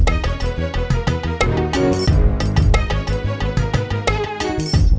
yang terima pada musim ini